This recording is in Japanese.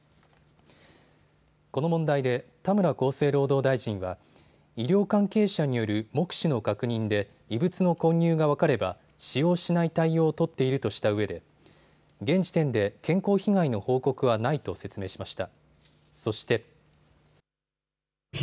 この問題で田村厚生労働大臣は医療関係者による目視の確認で異物の混入が分かれば使用しない対応を取っているとしたうえで現時点で健康被害の報告はないと説明しました。